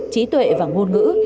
trí tuệ và ngôn ngữ